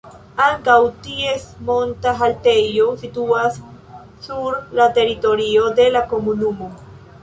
Ankaŭ ties monta haltejo situas sur la teritorio de la komunumo.